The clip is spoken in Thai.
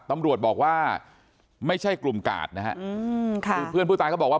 ตำรวจบอกว่าไม่ใช่กลุ่มกาดนะฮะคือเพื่อนผู้ตายเขาบอกว่า